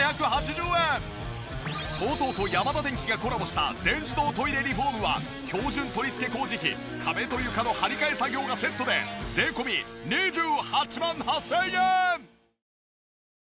ＴＯＴＯとヤマダデンキがコラボした全自動トイレリフォームは標準取り付け工事費壁と床の張り替え作業がセットで税込２８万８０００円。